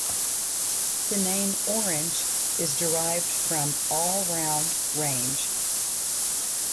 The name 'Orange' is derived from all-round range.